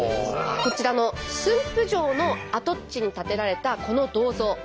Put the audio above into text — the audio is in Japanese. こちらの駿府城の跡地に建てられたこの銅像。